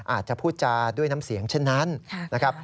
อาจจะพูดจาด้วยน้ำเสียงเช่นนั้นนะครับ